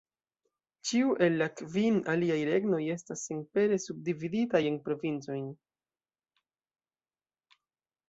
Ĉiu el la kvin aliaj regnoj estas senpere subdividitaj en provincojn.